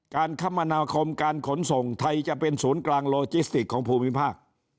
คมนาคมการขนส่งไทยจะเป็นศูนย์กลางโลจิสติกของภูมิภาค